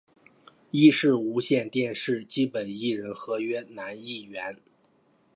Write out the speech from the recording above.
亦是无线电视基本艺人合约男艺员。